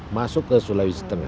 masuk ke sulawesi tengah